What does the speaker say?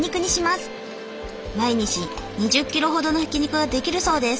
毎日２０キロほどのひき肉ができるそうです。